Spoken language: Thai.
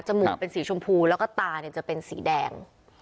มูกเป็นสีชมพูแล้วก็ตาเนี่ยจะเป็นสีแดง